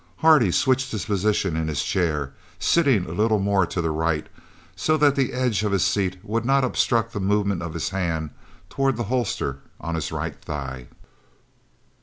Hardy switched his position in his chair, sitting a little more to the right, so that the edge of the seat would not obstruct the movement of his hand towards the holster on his right thigh.